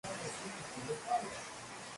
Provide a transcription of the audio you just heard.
Fue una aerolínea filial de Continental Airlines.